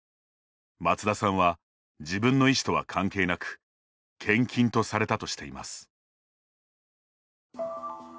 松田さんは自分の意思とは関係なく献金とされたとしています。